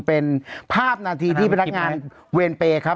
เป็นภาพนาทีที่พนักงานเวรเปย์ครับ